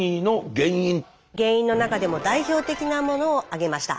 原因の中でも代表的なものを挙げました。